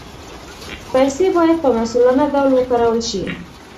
پیسې باید په مسؤلانه ډول وکارول شي.